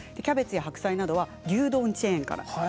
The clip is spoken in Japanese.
キャベツや白菜などは牛丼チェーンから。